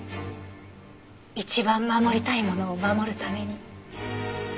一番守りたいものを守るために。